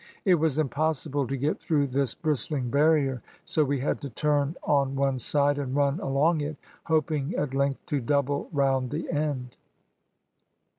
It was impossible to get through this bristling barrier, so we had to turn on one side, and run along it, hoping, at length, to double round the end.